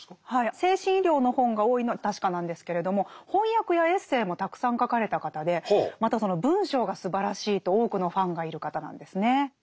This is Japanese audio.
精神医療の本が多いのは確かなんですけれども翻訳やエッセーもたくさん書かれた方でまたその文章がすばらしいと多くのファンがいる方なんですね。